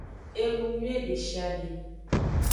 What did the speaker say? Enuyuie deshiade.